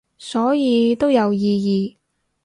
所以都有意義